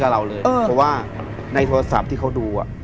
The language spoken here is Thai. เพราะว่าในโทรศัพท์ที่เขาดู